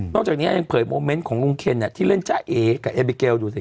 จากนี้ยังเผยโมเมนต์ของลุงเคนที่เล่นจ้าเอกับเอบิเกลดูสิ